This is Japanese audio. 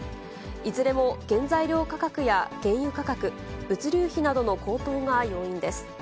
いずれも原材料価格や原油価格、物流費などの高騰が要因です。